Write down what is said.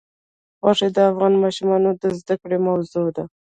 غوښې د افغان ماشومانو د زده کړې موضوع ده.